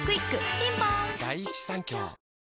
ピンポーン